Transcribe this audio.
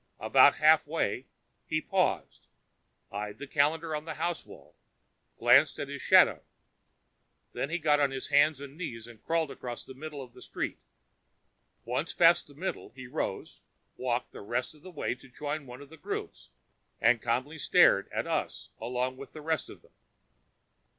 About halfway, he paused, eyed the calendar on the house wall, glanced at his shadow. Then he got down on his hands and knees and crawled across the middle of the street. Once past the middle, he rose, walked the rest of the way to join one of the groups and calmly stared at us along with the rest of them.